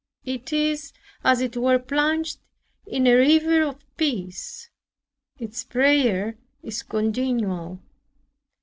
It is as it were plunged in a river of peace. Its prayer is continual.